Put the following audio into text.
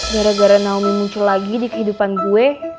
gara gara naomi muncul lagi di kehidupan gue